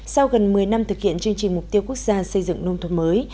sau gần một mươi năm thực hiện chương trình mục tiêu quốc gia xây dựng nông thôn mới